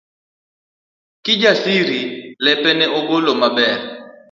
Kijasiri lepe ne ogolo maber